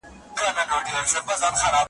د لېوه بچی آخر د پلار په خوی سي .